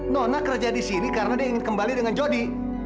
nona kerja disini karena dia ingin kembali dengan jody